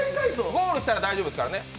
ゴールしたら大丈夫ですからね。